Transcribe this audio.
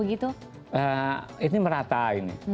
ini merata ini